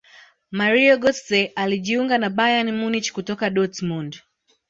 mario gotze alijiunga na bayern munich kutoka dortmund